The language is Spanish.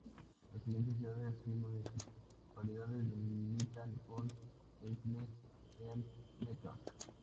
Las siguientes ciudades y municipalidades limitan con Esslingen am Neckar.